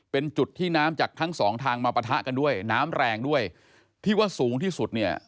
เป็นจุดที่น้ำจากทั้งสองทางมาปะทะกันด้วยน้ำแรงด้วยที่ว่าสูงที่สุดเนี่ย